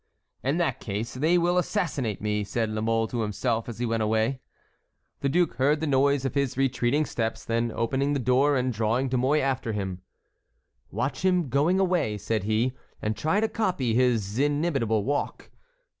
"In that case they will assassinate me," said La Mole to himself as he went away. The duke heard the noise of his retreating steps; then opening the door and drawing De Mouy after him: "Watch him going away," said he, "and try to copy his inimitable walk."